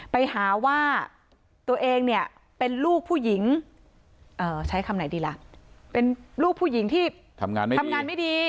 ไปหาว่าตัวเองเนี่ยเป็นลูกผู้หญิงใช้คำไหนดีล่ะเป็นลูกผู้หญิงที่ทำงานไม่ดี